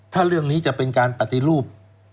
ถ้าเรื่องนี้จะเป็นการปฏิรูป